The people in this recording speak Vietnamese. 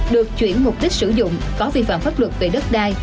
được chuyển mục đích sử dụng có vi phạm pháp luật về đất đai